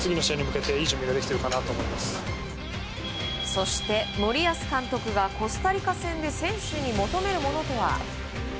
そして、森保監督がコスタリカ戦で選手に求めるものとは。